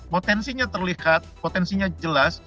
potensinya terlihat potensinya jelas